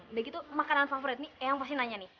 udah gitu makanan favorit nih yang pasti nanya nih